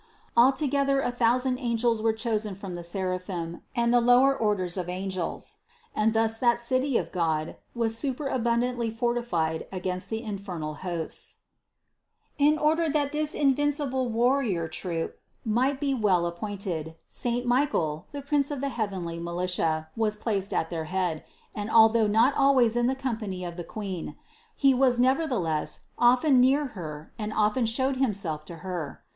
Altogether a thousand angels were chosen from the Seraphim and the lower orders of angels, and thus that City of God was superabundantly fortified against the infernal hosts. 206. In order that this invincible warrior troop might THE CONCEPTION 171 be well appointed, saint Michael, the prince of the heav enly militia was placed at their head, and although not always in the company of the Queen, he was neverthe less often near Her and often showed himself to Her.